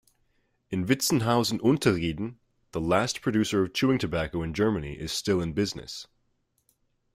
In Witzenhausen-Unterrieden, the last producer of chewing tobacco in Germany is still in business.